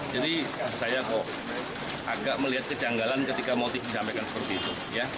jadi saya kok agak melihat kejanggalan ketika motif ini berlaku dan saya tidak ingin menanggapnya